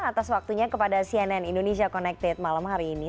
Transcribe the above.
atas waktunya kepada cnn indonesia connected malam hari ini